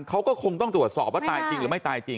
เขาก็คงต้องตรวจสอบว่าตายจริงหรือไม่ตายจริง